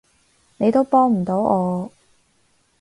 你都幫唔到我